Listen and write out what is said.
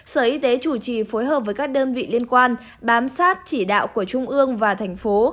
sở y tế chủ trì phối hợp với các đơn vị liên quan bám sát chỉ đạo của trung ương và thành phố